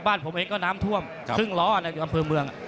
ผมเองก็น้ำท่วมครึ่งล้อในอำเภอเมือง